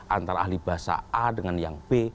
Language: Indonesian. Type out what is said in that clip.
antara ahli bahasa a dengan yang b